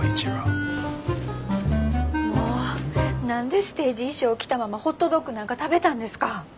何でステージ衣装着たままホットドッグなんか食べたんですか！